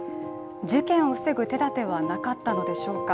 事件を防ぐ手だてはなかったのでしょうか。